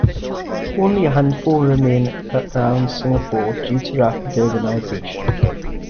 Only a handful remain around Singapore due to rapid urbanisation.